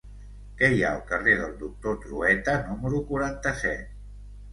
Què hi ha al carrer del Doctor Trueta número quaranta-set?